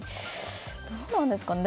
どうなんですかね。